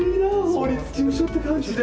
法律事務所って感じで。